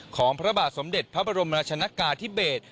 ของพระบาทสมเด็จพระบรมราชนกาธิเบศ